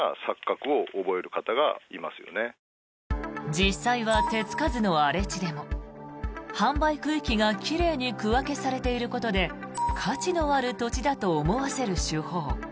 実際は手付かずの荒れ地でも販売区域が奇麗に区分けされていることで価値のある土地だと思わせる手法。